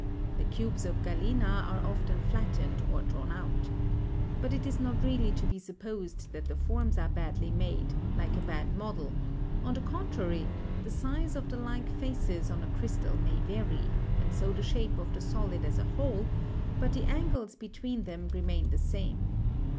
The cubes of galena are often flattened or drawn out. But it is not really to be supposed that the forms are badly made, like a bad model ; on the con trary, the size of the like faces on a crystal may vary, 250 GEOLOGY and so the shape of the solid as a whole, but the angles between them remain the same.